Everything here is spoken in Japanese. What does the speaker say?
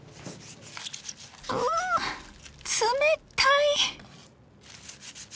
うう冷たい！